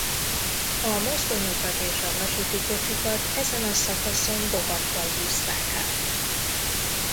A mozdonyokat és a vasúti kocsikat ezen a szakaszon lovakkal húzták át.